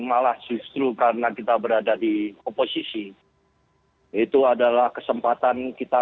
bagaimana sosok pak cahyo ini menjaga pid perjuangan ketika pdip pdip dan pdir pdip berada di luar pemerintahan ya mas susirwan